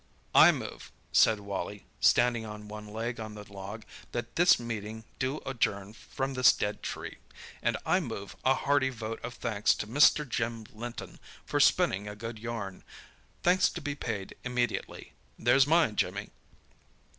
"I move," said Wally, standing on one leg on the log, "that this meeting do adjourn from this dead tree. And I move a hearty vote of thanks to Mr. Jim Linton for spinning a good yarn. Thanks to be paid immediately. There's mine, Jimmy!"